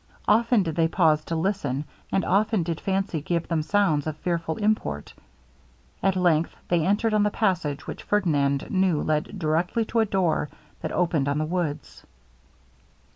Often did they pause to listen, and often did fancy give them sounds of fearful import. At length they entered on the passage which Ferdinand knew led directly to a door that opened on the woods.